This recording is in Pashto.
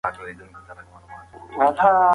ډګر څېړنه ډېر وخت نیسي.